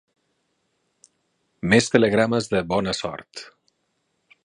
Més telegrames de bona sort.